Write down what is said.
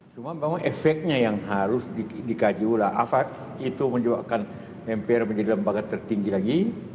cuma memang efeknya yang harus dikaji ulang apa itu menyebabkan mpr menjadi lembaga tertinggi lagi